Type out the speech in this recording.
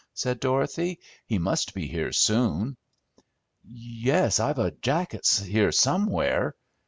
said Dorothy. "He must be here soon." "Yes, I've a jacket here somewhere."